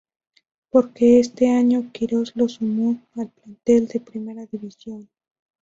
Porque este año Quiroz lo sumó al plantel de Primera División.